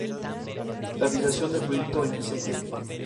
El nombre de esta ensalada en turco significa "ensalada del pastor".